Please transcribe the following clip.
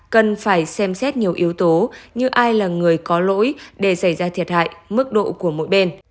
cần phải xem xét nhiều yếu tố như ai là người có lỗi để xảy ra thiệt hại mức độ của mỗi bên